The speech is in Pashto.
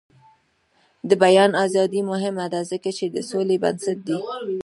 د بیان ازادي مهمه ده ځکه چې د سولې بنسټ دی.